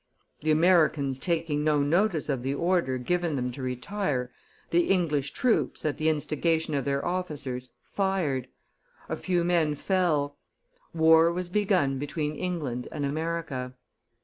The Americans taking no notice of the order given them to retire, the English troops, at the instigation of their officers, fired; a few men fell; war was begun between England and America.